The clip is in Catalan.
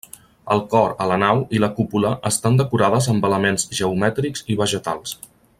El cor a la nau i la cúpula estan decorades amb elements geomètrics i vegetals.